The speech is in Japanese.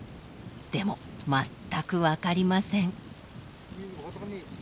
でも全く分かりません。